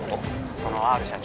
そのＲ社長